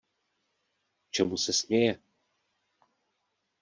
Čemu se směje?